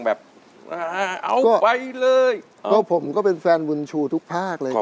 แบบเอาไปเลยก็ผมก็เป็นแฟนวุลชูทุกภาคเลยครับ